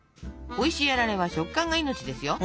おいしいあられは食感が命ですよ。